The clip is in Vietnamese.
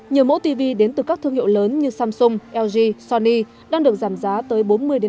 nhiều mẫu tv đến từ các thương hiệu lớn như samsung lg sony đang được giảm giá tới bốn mươi năm mươi